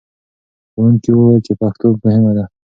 ښوونکي وویل چې پښتو مهمه ده.